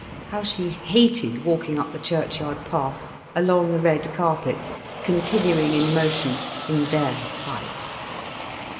How she hated walking up the churchyard path, along the red carpet, continuing in motion, in their sight.